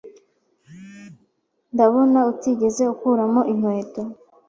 Ndabona utigeze ukuramo inkweto.